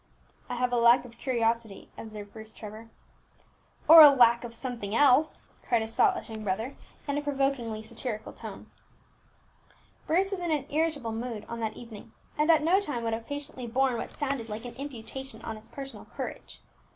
"I have a lack of curiosity," observed Bruce Trevor. "Or a lack of something else," cried his thoughtless young brother, in a provokingly satirical tone. Bruce was in an irritable mood on that evening, and at no time would have patiently borne what sounded like an imputation on his personal courage.